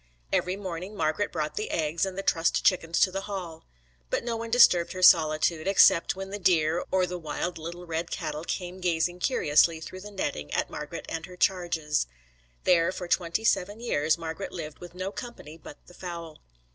Every morning Margret brought the eggs and the trussed chickens to the Hall. But no one disturbed her solitude, except when the deer, or the wild little red cattle came gazing curiously through the netting at Margret and her charges. There, for twenty seven years, Margret lived with no company but the fowl.